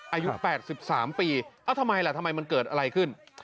อายุ๘๓ปีเอ้าทำไมล่ะทำไมมันเกิดอะไรขึ้น